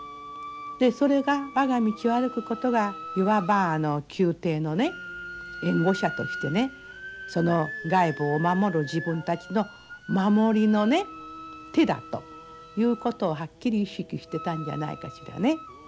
それが我が道を歩くことがいわば宮廷の援護者として外部を守る自分たちの守りの手だということをはっきり意識してたんじゃないかしらね。